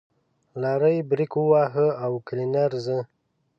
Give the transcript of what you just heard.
لارۍ برېک وواهه او کلينر زه.